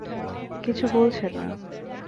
কিছু বলছে না।